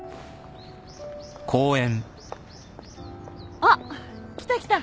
・あっ来た来た。